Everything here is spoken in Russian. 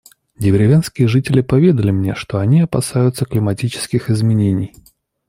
Деревенские жители поведали мне, что они опасаются климатических изменений.